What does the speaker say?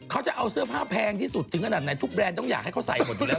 เขาจะเอาเสื้อผ้าแพงที่สุดจนกระดานในทุกแบรนด์อยากให้เขาใส่หมดเดียว